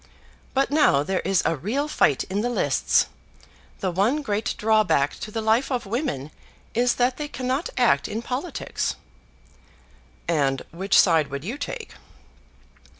But now there is a real fight in the lists. The one great drawback to the life of women is that they cannot act in politics." "And which side would you take?"